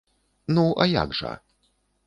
Ну, а як жа!